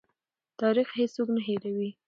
تاریخ هېڅوک نه هېروي.